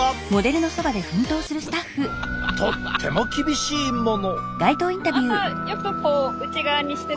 とっても厳しいもの。